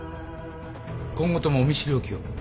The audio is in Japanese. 今後ともお見知りおきを。